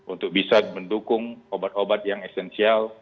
untuk bisa mendukung obat obat yang esensial